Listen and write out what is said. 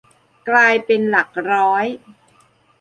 กลายเป็นหลักร้อย